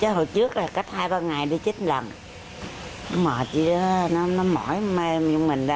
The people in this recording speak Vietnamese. hồi trước là cách hai ba ngày đi chích lần mệt vậy đó nó mỏi mê mình đó rồi hồi về đi uống thuốc nam về khỏe không có đi chích nữa